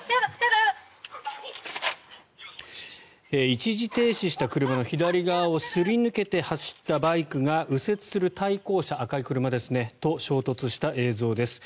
一時停止した車の左側をすり抜けて走ったバイクが右折する赤い車の対向車と衝突した映像です。